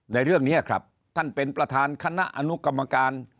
ในเรื่องนี้ครับท่านเป็นประธานคณะอนุกรรมการ